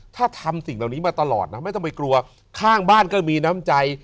ถ้าทำสิ่งเหล่านี้มาตลอดนะไม่ต้องไปกลัวข้างบ้านก็มีน้ำใจ